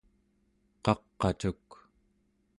qaq'acuk